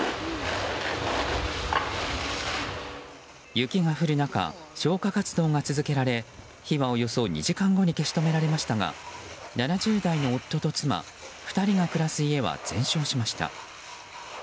雪が降る中、消火活動が続けられ火はおよそ２時間後に消し止められましたが７０代の夫と妻２人が暮らす家は全焼しました。